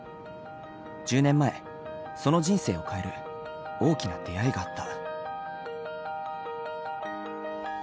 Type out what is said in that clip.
１０年前その人生を変える大きな出会いがあった。